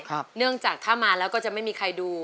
เนื่องจากถ้ามาแล้วก็จะไม่มีใครดู